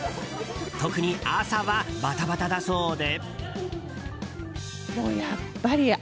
特に朝はバタバタだそうで。